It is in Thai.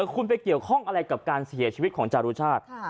คุณไปเกี่ยวข้องอะไรกับการเสียชีวิตของจารุชาติ